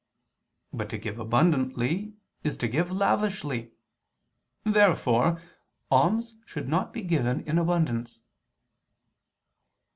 But to give abundantly is to give lavishly. Therefore alms should not be given in abundance.